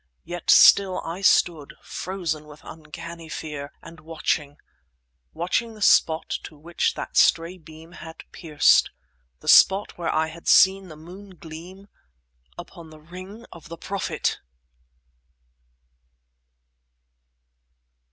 Yet still I stood, frozen with uncanny fear, and watching—watching the spot to which that stray beam had pierced; the spot where I had seen the moon gleam upon the ring of the Prophet!